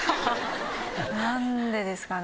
何でですかね。